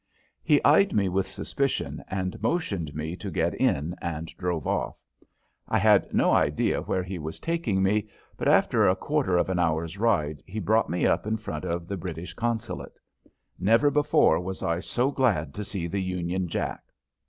He eyed me with suspicion and motioned me to get in and drove off. I had no idea where he was taking me, but after a quarter of an hour's ride he brought up in front of the British consulate. Never before was I so glad to see the Union Jack!